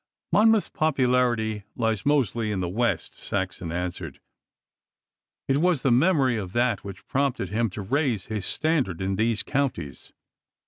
'Monmouth's popularity lies mostly in the West,' Saxon answered. 'It was the memory of that which prompted him to raise his standard in these counties.